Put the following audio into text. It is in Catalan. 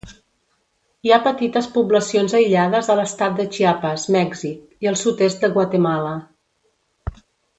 Hi ha petites poblacions aïllades a l'estat de Chiapas, Mèxic, i al sud-est de Guatemala.